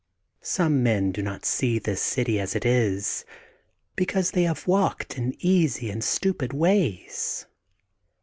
Some men do not see this city as it is, because they have walked in easy and stupid ways.